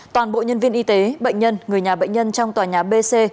toàn bộ nhân viên y tế bệnh nhân người nhà bệnh nhân trong tòa nhà bc